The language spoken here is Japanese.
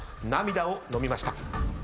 涙をのみました。